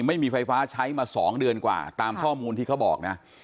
ไม่มีไฟฟ้าใช้มา๒เดือนกว่าตามข้อมูลที่เขาบอกนะ